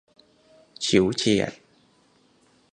ฉิวเฉียด